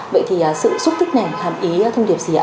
vậy thì sự xúc tích này hàm ý thông điệp gì ạ